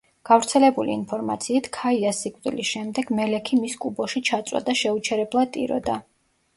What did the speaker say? გავრცელებული ინფორმაციით, ქაიას სიკვდილის შემდეგ მელექი მის კუბოში ჩაწვა და შეუჩერებლად ტიროდა.